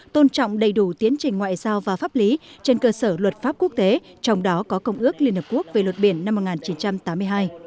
tôn trọng đầy đủ tiến trình ngoại giao và pháp lý trên cơ sở luật pháp quốc tế trong đó có công ước liên hợp quốc về luật biển năm một nghìn chín trăm tám mươi hai